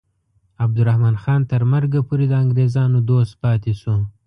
عبدالرحمن خان تر مرګه پورې د انګریزانو دوست پاتې شو.